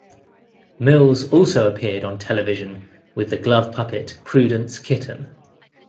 Mills also appeared on television with the glove puppet "Prudence Kitten".